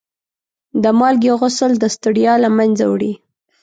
د مالګې غسل د ستړیا له منځه وړي.